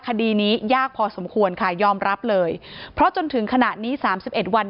คดีนี้ยากพอสมควรค่ะยอมรับเลยเพราะจนถึงขณะนี้๓๑วัน